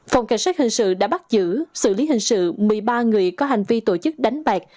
phòng cảnh sát hình sự đã bắt giữ xử lý hình sự một mươi ba người có hành vi tổ chức đánh bạc